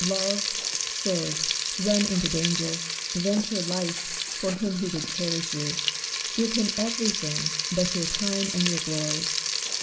Love, serve, run into danger, venture life, for him who would cherish you : give him everything but your time and your glory.